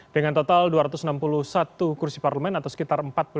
dengan total dua ratus enam puluh satu kursi parlemen atau sekitar